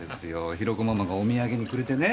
ヒロコママがお土産にくれてね。